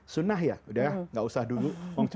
sunnah ya udah gak usah dulu